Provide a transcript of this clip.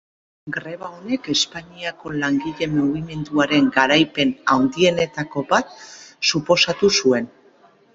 Greba honek Espainiako langile-mugimenduaren garaipen handienetako bat suposatu zuen.